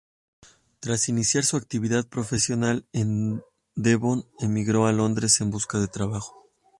Tras iniciar su actividad profesional en Devon, emigró a Londres en busca de trabajo.